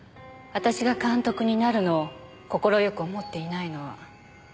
私が監督になるのを快く思っていないのは。